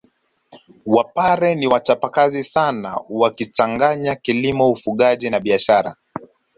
Wapare ni wachapakazi sana wakichanganya kilimo ufugaji na biashara